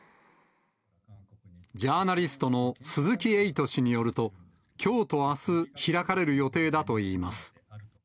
ジャーナリストの鈴木エイト氏によると、きょうとあす、開かれる予定だといいます。